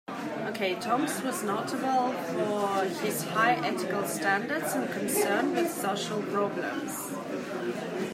Tonks was notable for his high ethical standards and concern with social problems.